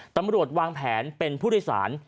ตำรวจวางแผนเป็นผู้โดยสาร